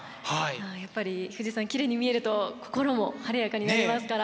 やっぱり富士山きれいに見えると心も晴れやかになりますから。